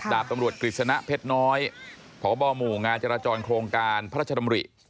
ดาบตำรวจกฤษณะเพชรน้อยพบหมู่งานจราจรโครงการพระราชดำริ